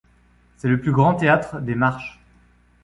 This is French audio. C'est le plus grand théâtre des Marches.